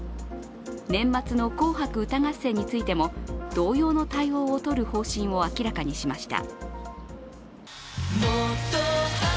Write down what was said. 年末の「紅白歌合戦」についても同様の対応を取る方針を明らかにしました。